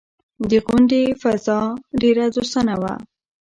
د غونډې فضا ډېره دوستانه وه.